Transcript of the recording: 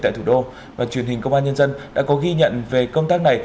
tại thủ đô và truyền hình công an nhân dân đã có ghi nhận về công tác này